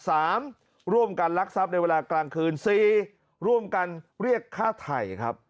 ร่วมกันลักทรัพย์ในเวลากลางคืนสี่ร่วมกันเรียกฆ่าไทยครับ